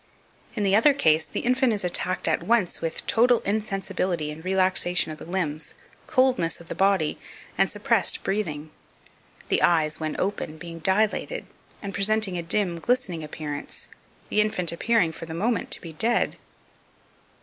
In the other case, the infant is attacked at once with total insensibility and relaxation of the limbs, coldness of the body and suppressed breathing; the eyes, when open, being dilated, and presenting a dim glistening appearance; the infant appearing, for the moment, to be dead.